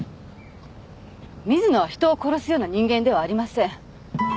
水野は人を殺すような人間ではありません。